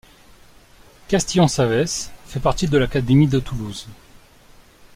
Castillon-Savès fait partie de l'académie de Toulouse.